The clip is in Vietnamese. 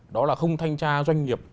đó là không thanh tra doanh nghiệp